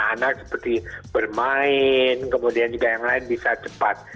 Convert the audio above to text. anak seperti bermain kemudian juga yang lain bisa cepat